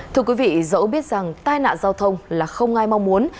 thưa quý vị dẫu biết rằng tai nạn giao thông là không ai mong muốn